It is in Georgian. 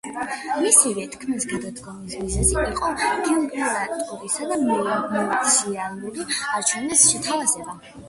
მისივე თქმით, გადადგომის მიზეზი იყო გუბერნატორისა და მუნიციპალური არჩევნების შეთავსება.